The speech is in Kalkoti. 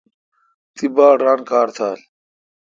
تی باڑ ران کار تھال۔